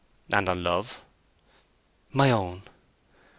"And on love—" "My own."